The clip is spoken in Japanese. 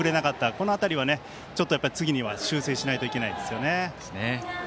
この辺りは次は修正しないといけないですよね。